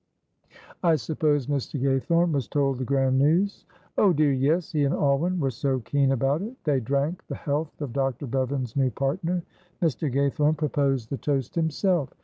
"I suppose Mr. Gaythorne was told the grand news?" "Oh dear, yes. He and Alwyn were so keen about it. They drank the health of Dr. Bevan's new partner. Mr. Gaythorne proposed the toast himself.